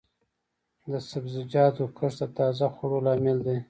د سبزیجاتو کښت د تازه خوړو لامل دی.